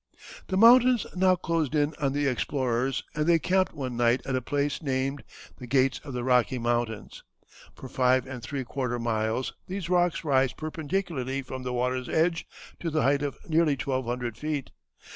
The mountains now closed in on the explorers and they camped one night at a place named the Gates of the Rocky Mountains. "For five and three quarter miles these rocks rise perpendicularly from the water's edge to the height of nearly twelve hundred feet.